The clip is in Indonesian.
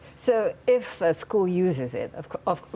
jadi jika sekolah menggunakannya